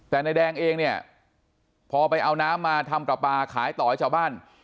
แต่นายแดงเองเนี่ยพอไปเอาน้ำมาทำปลาปลาขายต่อให้ชาวบ้าน